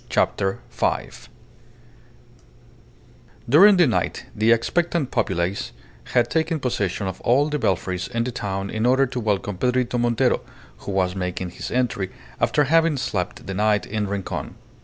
CHAPTER FIVE During the night the expectant populace had taken possession of all the belfries in the town in order to welcome Pedrito Montero, who was making his entry after having slept the night in Rincon.